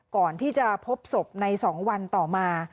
ก่อนที่จะพบศพใน๒วันต่อมา